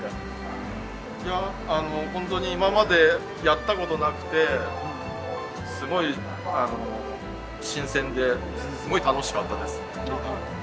本当に今までやったことなくてすごい新鮮ですごい楽しかったです。